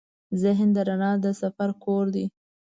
ذهن د رڼا د سفر کور دی.